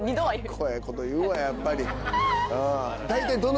カッコええこと言うわやっぱり。